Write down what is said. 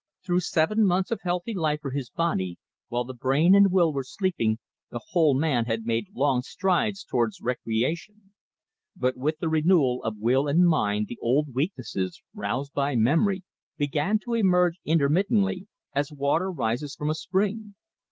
Through seven months of healthy life for his body, while brain and will were sleeping, the whole man had made long strides towards recreation. But with the renewal of will and mind the old weaknesses, roused by memory, began to emerge intermittently, as water rises from a spring.